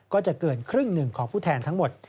ก็จะเกินครึ่งหนึ่งของผู้แทนทั้งหมด